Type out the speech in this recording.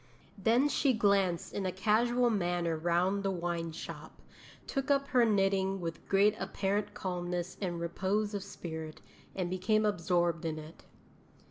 Then she glanced in a casual manner round the wine shop, took up her knitting with great apparent calmness and repose of spirit, and became absorbed in it.'